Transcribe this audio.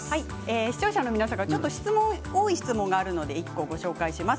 視聴者の皆さんから多い質問があるのでご紹介します。